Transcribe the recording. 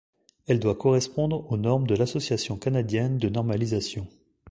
Elle doit correspondre aux normes de l'Association canadienne de normalisation.